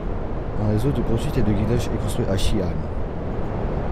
Un réseau de poursuite et de guidage est construit à Xi'an.